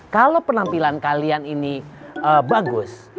kalau penampilan kalian ini bagus